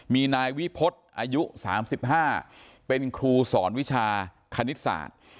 มีนายวิพฤษอายุ๓๕เป็นครูสอนวิชาคณิตศาสตร์